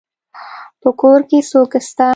په کور کي څوک سته.